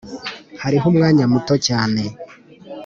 hariho umwanya muto cyane